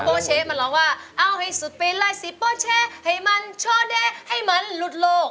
เพอเช๊มร้องว่าเอาให้สุดไปสิเพอเช๊ให้มันฉ็อเดร์ให้มันลุดโลก